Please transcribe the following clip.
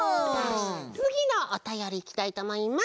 つぎのおたよりいきたいとおもいます。